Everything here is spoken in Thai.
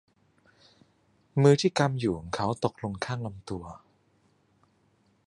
มือที่กำอยู่ของเขาตกลงข้างลำตัว